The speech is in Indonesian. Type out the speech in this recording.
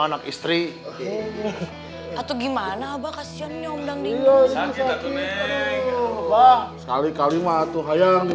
anak istri atau gimana abang kasiannya om dangding sakit sekali kali matuh ayam banyak